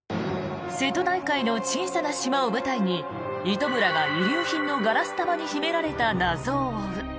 瀬戸内海の小さな島を舞台に糸村が遺留品のガラス玉に秘められた謎を追う。